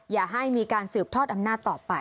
อย่าให้มีการสืบทอดอำนาจต่อไป